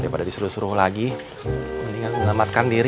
pada disuruh suruh lagi dengan melamatkan diri